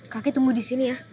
kakek tunggu di sini ya